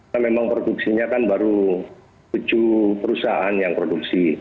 karena memang produksinya kan baru tujuh perusahaan yang produksi